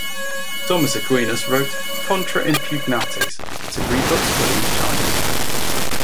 Thomas Aquinas wrote Contra Impugnantes to rebut William's charges.